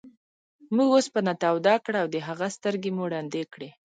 موږ اوسپنه توده کړه او د هغه سترګې مو ړندې کړې.